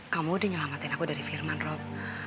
kamu udah nyelamatin aku dari firman rob